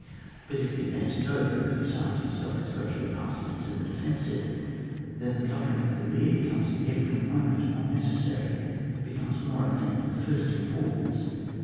But if the advance is over, if the assailant himself is gradually passing into the defensive, then the covering of the rear becomes every moment more necessary, becomes more a thing of the first importance.